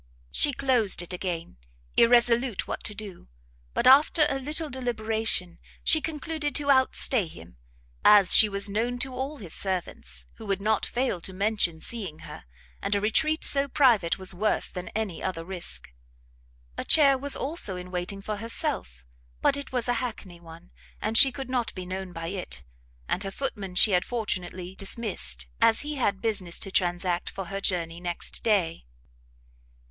She closed it again, irresolute what to do: but after a little deliberation, she concluded to out stay him, as she was known to all his servants, who would not fail to mention seeing her; and a retreat so private was worse than any other risk. A chair was also in waiting for herself, but it was a hackney one, and she could not be known by it; and her footman she had fortunately dismissed, as he had business to transact for her journey next day.